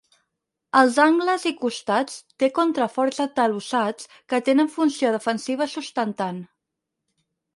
Als angles i costats té contraforts atalussats que tenien funció defensiva i sustentant.